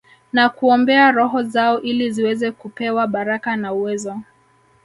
Na kuombea roho zao ili ziweze kupewa baraka na uwezo